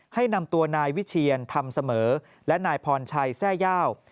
ให้นำตัวนายวิเชียนธรรมเสมอและนายพรชัยแทร่ยาว